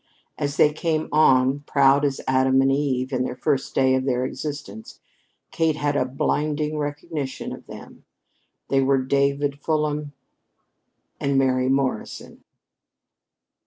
As they came on, proud as Adam and Eve in the first days of their existence, Kate had a blinding recognition of them. They were David Fulham and Mary Morrison.